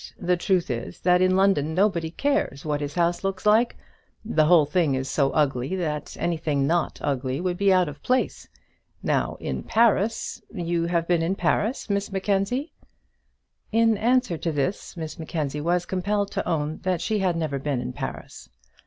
The truth is, that in London nobody cares what his house looks like. The whole thing is so ugly that anything not ugly would be out of place. Now, in Paris you have been in Paris, Miss Mackenzie?" In answer to this, Miss Mackenzie was compelled to own that she had never been in Paris.